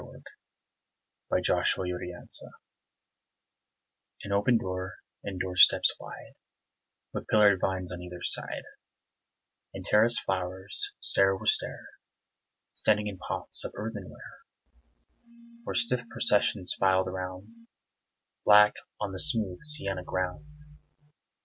BETWEEN THE FLOWERS An open door and door steps wide, With pillared vines on either side, And terraced flowers, stair over stair, Standing in pots of earthenware Where stiff processions filed around Black on the smooth, sienna ground.